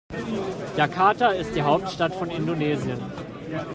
Jakarta ist die Hauptstadt von Indonesien.